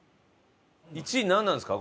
１位なんなんですか？